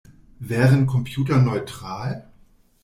Wären Computer neutral?